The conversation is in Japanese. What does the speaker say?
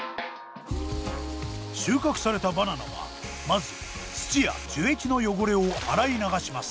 収穫されたバナナはまず土や樹液の汚れを洗い流します。